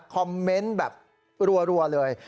คอมเมนต์แบบรัวเลย